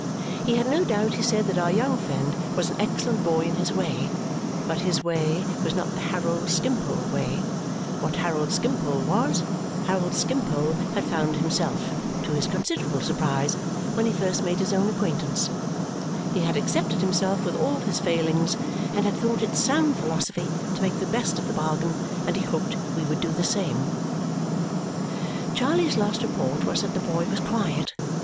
He had no doubt, he said, that our young friend was an excellent boy in his way, but his way was not the Harold Skimpole way; what Harold Skimpole was, Harold Skimpole had found himself, to his considerable surprise, when he first made his own acquaintance; he had accepted himself with all his failings and had thought it sound philosophy to make the best of the bargain; and he hoped we would do the same. Charley's last report was that the boy was quiet.